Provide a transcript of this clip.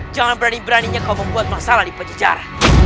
jangan berani beraninya kau membuat masalah di pejajar